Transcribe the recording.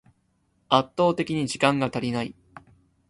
圧倒的に時間が足りない